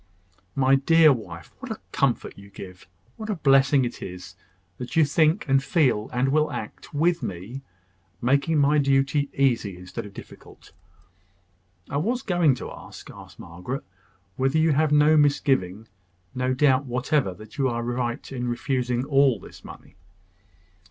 "My dear wife, what comfort you give! What a blessing it is, that you think, and feel, and will act, with me making my duty easy instead of difficult!" "I was going to ask," observed Margaret, "whether you have no misgiving no doubt whatever that you are right in refusing all this money."